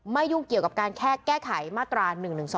ยุ่งเกี่ยวกับการแค่แก้ไขมาตรา๑๑๒